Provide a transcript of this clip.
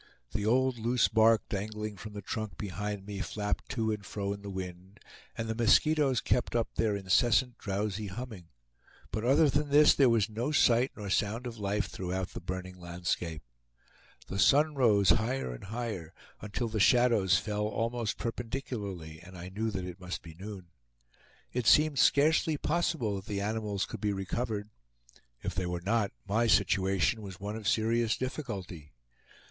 The old loose bark dangling from the trunk behind me flapped to and fro in the wind, and the mosquitoes kept up their incessant drowsy humming; but other than this, there was no sight nor sound of life throughout the burning landscape. The sun rose higher and higher, until the shadows fell almost perpendicularly, and I knew that it must be noon. It seemed scarcely possible that the animals could be recovered. If they were not, my situation was one of serious difficulty.